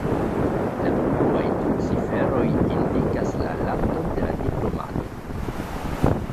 La unuaj du ciferoj indikas la landon de la diplomato.